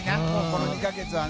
この２か月は。